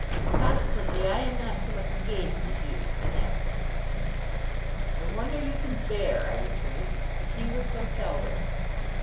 Consequently, I am not so much engaged as you in that sense.' 'I wonder you can bear,' I returned, 'to see her so seldom.